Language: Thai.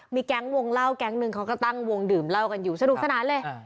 มีแก๊งวงเล่าแก๊งนึงเขาก็ตั้งวงดื่มเหล้ากันอยู่สนุกสนานเลย